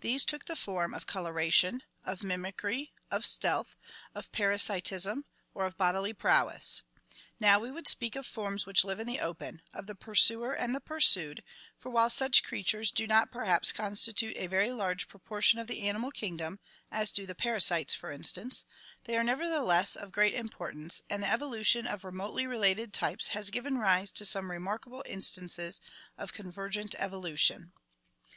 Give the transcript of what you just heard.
These took the form of coloration, of mimicry, of stealth, of parasitism, or of bodily prowess. Now we would speak of forms which live in the open, of the pursuer and the pur sued, for while such creatures do not perhaps constitute a very large proportion of the animal kingdom, as do the parasites for instance, they are nevertheless of great importance, and the evolu tion of remotely related types has given rise to some remarkable instances of convergent evolution.